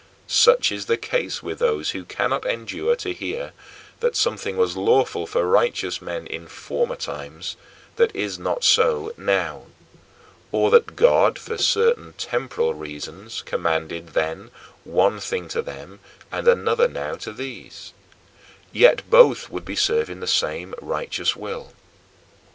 Such is the case with those who cannot endure to hear that something was lawful for righteous men in former times that is not so now; or that God, for certain temporal reasons, commanded then one thing to them and another now to these: yet both would be serving the same righteous will.